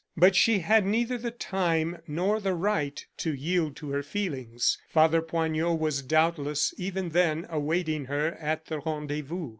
But she had neither the time nor the right to yield to her feelings. Father Poignot was doubtless, even then, awaiting her at the rendezvous.